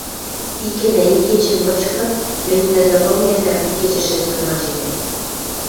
— Икӓнӓ ик кечӹ мычкы мӹнь нӹллӹ кым гӓнӓ кечӹ шӹцмӹм анженӓм!